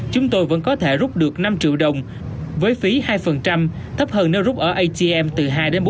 chúng tôi vẫn có thể rút được năm triệu đồng với phí hai thấp hơn nếu rút ở atm từ hai ba mươi